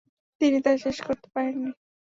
তিনি তা শেষ করতে পারেননি।